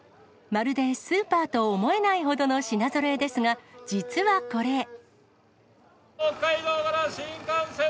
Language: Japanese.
まるでスーパーと思えないほどの品ぞろえですが、実はこれ。